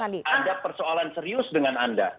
saya menunjukkan anda persoalan serius dengan anda